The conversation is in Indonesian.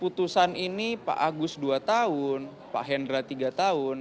putusan ini pak agus dua tahun pak hendra tiga tahun